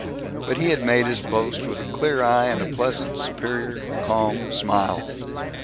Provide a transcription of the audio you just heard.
But he had made his boast with a clear eye and a pleasant, superior, calm smile.